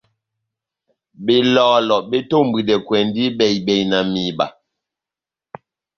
Belɔlɔ betombwidɛkwɛndi bɛhi-bɛhi na mihiba.